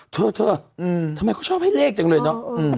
เธอทำไมเขาชอบให้เลขจังเลยเนอะ